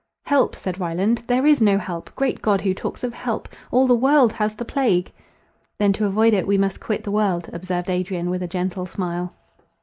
"Help!" said Ryland, "there is no help!—great God, who talks of help! All the world has the plague!" "Then to avoid it, we must quit the world," observed Adrian, with a gentle smile.